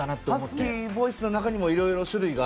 ハスキーボイスの中にも色々種類が。